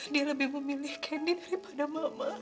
dia lebih memilih candi daripada mama